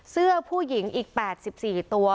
เสื้อผู้หญิงอีก๘๔ตัว